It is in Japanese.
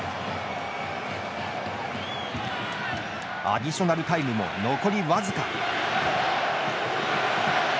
アディショナルタイムも残り僅か。